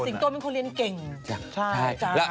สิงโต้มึงเขาเรียนเก่ง